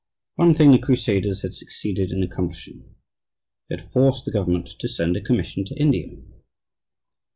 One thing the crusaders had succeeded in accomplishing they had forced the government to send a commission to India.